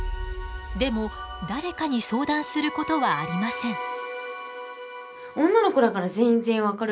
でも誰かに相談することはありません。